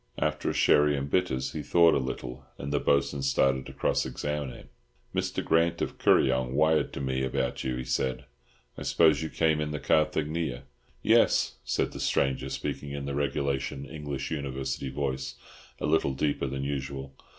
After a sherry and bitters he thawed a little, and the Bo'sun started to cross examine him. "Mr. Grant of Kuryong wired to me about you," he said. "I suppose you came in the Carthaginia?" "Yes," said the stranger, speaking in the regulation English University voice, a little deeper than usual.